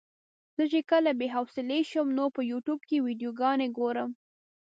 زه چې کله بې حوصلې شم نو په يوټيوب کې ويډيوګانې ګورم.